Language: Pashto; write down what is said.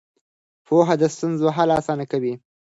پوهه د ستونزو حل اسانه کوي.